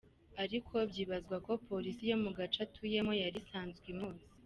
Ariko byibazwa ko polisi yo mu gace atuyemo yari isanzwe imuzi.